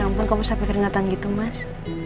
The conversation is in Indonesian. ampun kamu sampai keringatan gitu mas